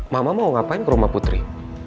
mama mau ngapain ke rumah putri